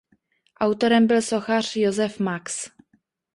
Autorem byl sochař Josef Max.